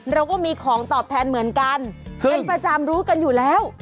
เราก็มีของตอบแทนเหมือนกันเป็นประจำรู้กันอยู่แล้ว